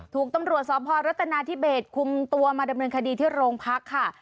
ถูกตำรวจสพรัฐนาธิเบสคุมตัวมาดำเนินคดีที่โรงพักค่ะ